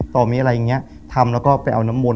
ต่อมีอะไรอย่างเงี้ยทำแล้วก็ไปเอาน้ำมน